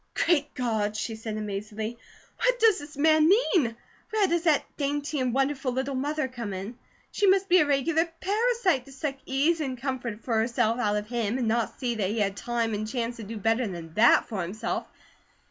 "Great God!" she said amazedly. "What does the man mean? Where does that dainty and wonderful little mother come in? She must be a regular parasite, to take such ease and comfort for herself out of him, and not see that he had time and chance to do better than THAT for himself.